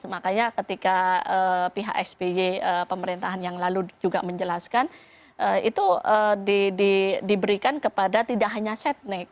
makanya ketika pihak sby pemerintahan yang lalu juga menjelaskan itu diberikan kepada tidak hanya setnek